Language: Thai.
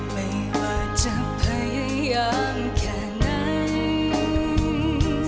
ไม่ว่าจะพยายามแค่ไหน